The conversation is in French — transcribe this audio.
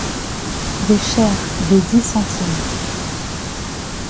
Des chers ! des dix centimes !